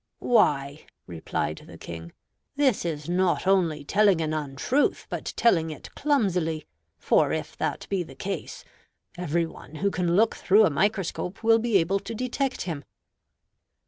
"Why" (replied the King), "this is not only telling an untruth, but telling it clumsily; for if that be the case, every one who can look through a microscope will be able to detect him."